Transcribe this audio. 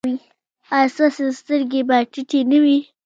ایا ستاسو سترګې به ټیټې نه وي؟